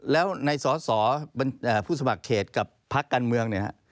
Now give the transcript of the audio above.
แล้วในสอสอผู้สมัครเขตกับพักการเมืองเนี่ยฮะ